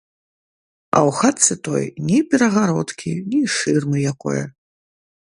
А ў хатцы той ні перагародкі, ні шырмы якое.